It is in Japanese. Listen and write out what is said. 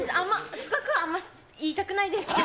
深くはあんまり言いたくないですけど。